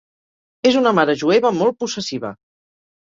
És una mare jueva molt possessiva!